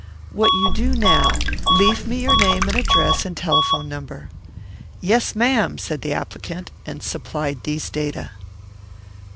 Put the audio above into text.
What you do now leave me your name and address and telephone number." "Yes, ma'am," said the applicant, and supplied these data.